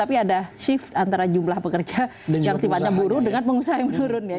tapi kita negatif di sekitar dua an juta sekitar dua jutaan di pengusaha yang formal dan informal ya